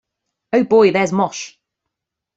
Oh boy, there's 'Mosh'.